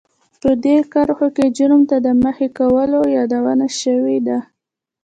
په دې کرښو کې جرم ته د مخې کولو يادونه شوې ده.